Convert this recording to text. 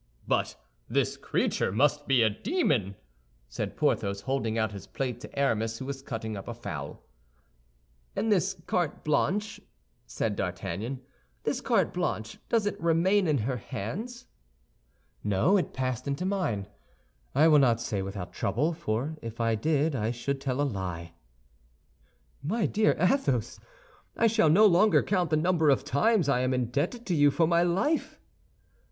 "But this creature must be a demon!" said Porthos, holding out his plate to Aramis, who was cutting up a fowl. "And this carte blanche," said D'Artagnan, "this carte blanche, does it remain in her hands?" "No, it passed into mine; I will not say without trouble, for if I did I should tell a lie." "My dear Athos, I shall no longer count the number of times I am indebted to you for my life."